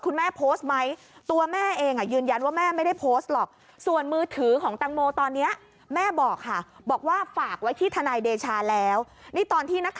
คุณแม่โพสต์ไหมตัวแม่เองยืนยันว่าแม่ไม่ได้โพสต์หรอกค่ะ